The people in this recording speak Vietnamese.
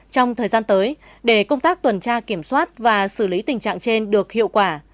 trong thời gian tới để công tác tuần tra kiểm soát và xử lý tình trạng trên được hiệu quả